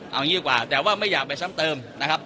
เอางี้ดีกว่าแต่ว่าไม่อยากไปซ้ำเติม